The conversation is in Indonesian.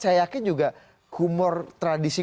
saya yakin juga humor tradisi